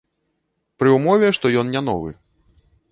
Пры ўмове, што ён не новы.